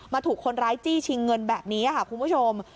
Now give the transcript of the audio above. ถูกคนร้ายจี้ชิงเงินแบบนี้ค่ะคุณผู้ชม